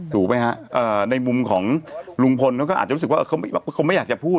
ถูกไหมฮะในมุมของลุงพลเขาก็อาจจะรู้สึกว่าเขาไม่อยากจะพูด